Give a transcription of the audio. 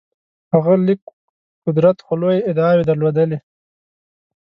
هغه لږ قدرت خو لویې ادعاوې درلودلې.